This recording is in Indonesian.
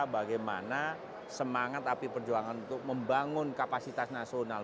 bagaimana semangat api perjuangan untuk membangun kapasitas nasional